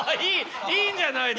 いいんじゃないですか。